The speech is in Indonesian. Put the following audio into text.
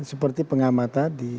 seperti pengamat tadi